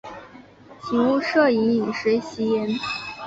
请勿摄影、饮食、吸烟